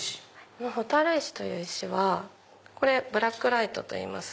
この蛍石という石はこれブラックライトといいます